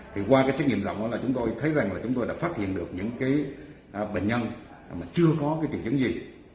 thì qua cái xét nghiệm rộng đó là chúng tôi thấy rằng là chúng tôi đã phát hiện được những bệnh nhân mà chưa có cái triệu chứng gì